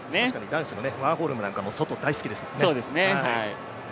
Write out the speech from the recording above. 男子のワーホルムなんかも、外、大好きですもんね。